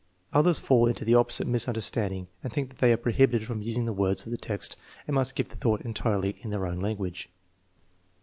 Others fall into the opposite mis understanding and think that they are prohibited from using the words of the text and must give the thought entirely in their own language.